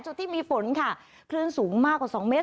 จุดที่มีฝนค่ะคลื่นสูงมากกว่า๒เมตร